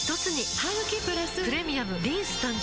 ハグキプラス「プレミアムリンス」誕生